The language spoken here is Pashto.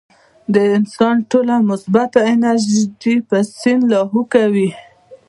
د انسان ټوله مثبت انرجي پۀ سين لاهو کوي -